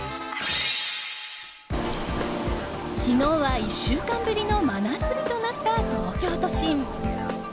昨日は１週間ぶりの真夏日となった東京都心。